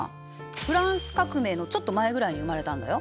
フランス革命のちょっと前ぐらいに生まれたんだよ。